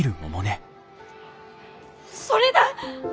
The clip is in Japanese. それだ！